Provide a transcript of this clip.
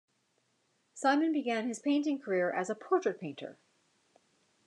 Simon began his painting career as a portrait painter.